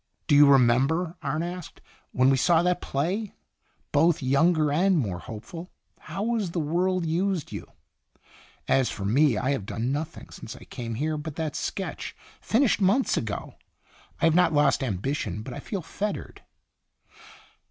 " Do you remember," Arne asked, "when we saw that play? Both younger and more hopeful. How has the world used you? As for me, I have done nothing since I came here 22 &n Itinerant iponse. but that sketch, finished months ago. I have not lost ambition, but I feel fettered."